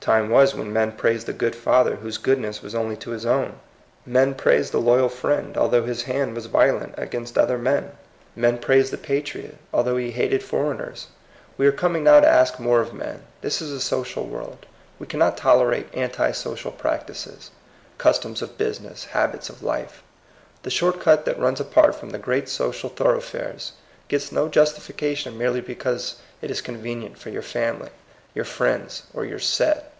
Time was when men praised the good father whose goodness was only to his own. Men praised the loyal friend, although his hand was violent against other men; men praised the patriot, although he hated for 92 THE COMING PEOPLE. eigners. We are coining now to ask more of men. This is a social world. We can not tolerate antinsocial practices, customs of business, habits of life. The short cut that runs apart from the great social thorough fares gets no justification merely because it is convenient for your family, your friends, or your set.